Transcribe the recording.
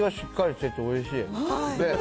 下味がしっかりしてておいしい。